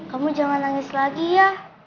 kamu jangan nangis lagi ya